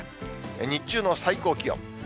日中の最高気温。